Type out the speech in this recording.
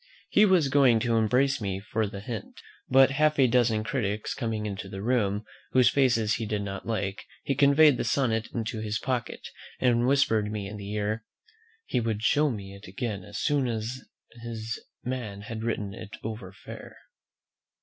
He was going to embrace me for the hint; but half a dozen critics coming into the room, whose faces he did not like, he conveyed the sonnet into his pocket, and whispered me in the ear, "he would show it me again as soon as his man had written it over fair."